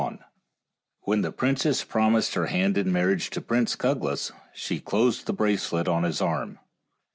And when the princess promised her hand in marriage to the Prince Cuglas, she closed the bracelet on his arm.